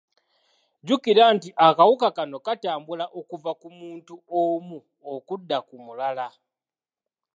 Jjukira nti akawuka kano katambula okuva ku muntu omu okudda ku mulala.